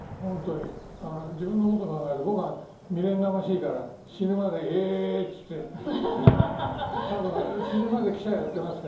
自分のことを考えると僕は未練がましいから死ぬまでえと言って死ぬまで記者をやっていますが。